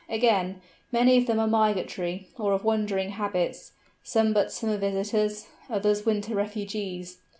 Again, many of them are migratory, or of wandering habits; some but summer visitors, others winter refugees.